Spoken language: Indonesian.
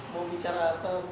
mau bicara apa